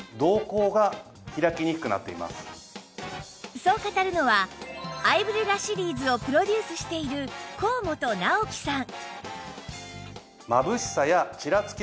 そう語るのはアイブレラシリーズをプロデュースしている高本尚紀さん